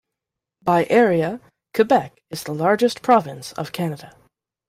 By area, Quebec is the largest province of Canada.